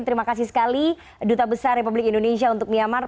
terima kasih sekali duta besar republik indonesia untuk myanmar